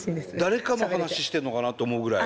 誰かの話してんのかなと思うぐらい。